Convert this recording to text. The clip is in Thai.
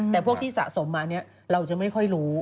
แต่พวกที่สะสมมาเนี่ยเราจะไม่ค่อยรู้